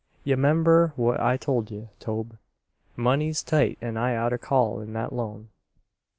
Ye 'member what I told ye, Tobe. Money's tight and I oughter call in that loan."